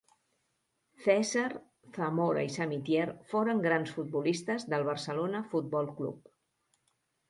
César, Zamora i Samitier foren grans futbolistes del Barcelona fútbol club